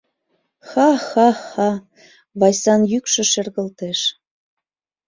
— Ха-ха-ха, — Вайсан йӱкшӧ шергылтеш.